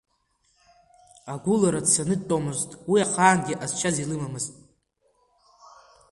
Агәылара дцаны дтәомызт, уи ахаангьы ҟазшьас илымамызт.